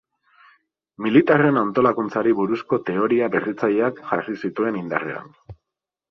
Militarren antolakuntzari buruzko teoria berritzaileak jarri zituen indarrean.